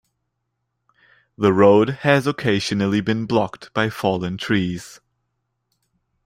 The road has occasionally been blocked by fallen trees.